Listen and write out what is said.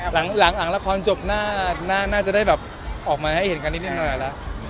หลังละครจบน่าจะได้แบบออกมาให้เห็นกันนิดหน่อยแล้ว